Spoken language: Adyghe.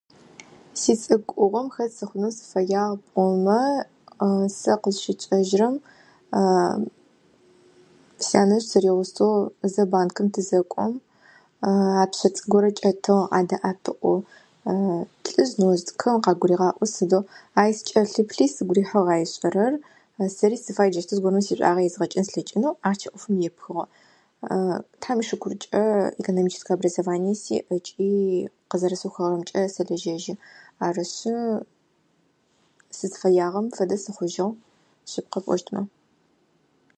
Сицӏыкӏугъом хэт сыхъунэу сыфэягъ пӏомэ сэ къызщытчӏэжьрэм сянэжъ сыригъусэу зэ банкым тызэкӏом а пшъэшъэ цӏыкӏу горэ кӏэтыгъ адэӏапыӏэу. Лӏыжъ ныожъ цӏыкӏхэм къагуригъаӏуо сыдэу ай сыкӏэлъыплъи сыгу рихьыгъ ай ышӏэрэр, сэри сыфай джащтэу зыгуэрэм сишӏуагъэ езгъэкӏын слъэкӏынэу ӏахъкӏэ ӏофым епхыгъэу. Тхьам ишыкуркӏэ экономическэ образование сиӏ ыкӏи къызэрэсыухыгъэмкӏэ сэлэжьэжьы. Арышъы сызфэягъэм фэдэ сыхъужьыгъ, шъыпкъэ пӏощтмэ.